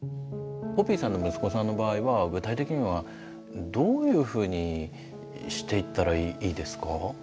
ポピーさんの息子さんの場合は具体的にはどういうふうにしていったらいいですか？